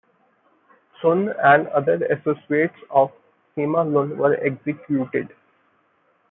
Sun and other associates of Sima Lun were executed.